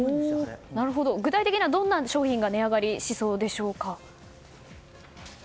具体的にはどんな商品が値上がりしそうでしょか。